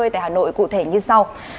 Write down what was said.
tại hà nội cụ thể như sau